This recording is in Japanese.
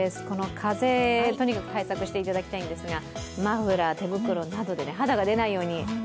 風、とにかく対策していただきたいんですが、マフラー、手袋などで肌が出ないように。